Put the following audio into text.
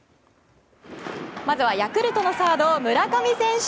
まずは、ヤクルトのサード村上選手。